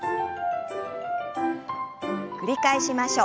繰り返しましょう。